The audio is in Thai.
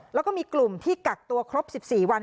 แล้วก็มีกลุ่มที่กักตัวครบ๑๔วัน